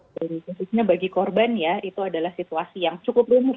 dan khususnya bagi korban ya itu adalah situasi yang cukup rumus